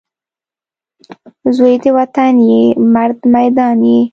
زوی د وطن یې ، مرد میدان یې